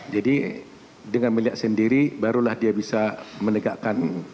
jadi dengan melihat sendiri barulah dia bisa menegakkan